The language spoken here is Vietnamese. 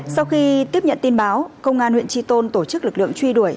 sau khi tiếp nhận tin báo công an huyện tri tôn tổ chức lực lượng truy đuổi